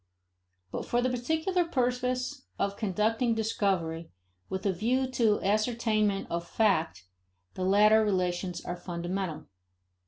But for the particular purpose of conducting discovery with a view to ascertainment of fact, the latter relations are fundamental.